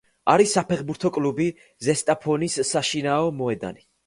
არის საფეხბურთო კლუბ „ზესტაფონის“ საშინაო მოედანი.